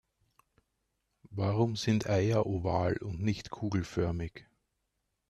Warum sind Eier oval und nicht kugelförmig?